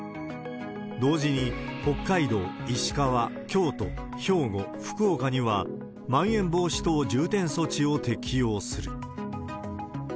同時に北海道、石川、京都、兵庫、福岡にはまん延防止等重点措置を適用する。